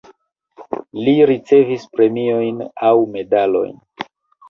Li ricevis premiojn aŭ medalojn.